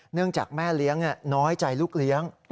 เนื่องจากแม่เลี้ยงน้อยใจลูกเลี้ยง